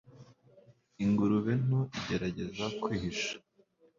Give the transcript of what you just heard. ingurube nto igerageza kwihisha